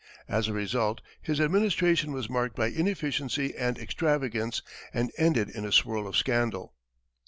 As a result, his administration was marked by inefficiency and extravagance, and ended in a swirl of scandal.